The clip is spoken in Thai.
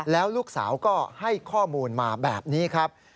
แล้วลูกสาวก็ให้ข้อมูลมาแบบนี้ครับ